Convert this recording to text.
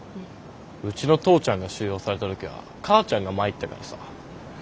うちの父ちゃんが収容された時は母ちゃんが参ったからさ。